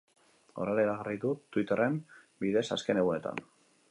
Horrela iragarri du twitter-en bidez azken egunetan.